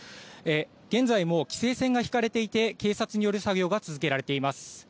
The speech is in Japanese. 現在も規制線が引かれていて警察による作業が続けられています。